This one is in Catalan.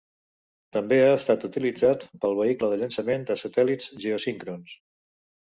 També ha estat utilitzat pel vehicle de llançament de satèl·lits geosíncrons.